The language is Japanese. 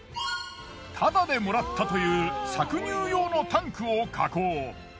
タダで貰ったという搾乳用のタンクを加工。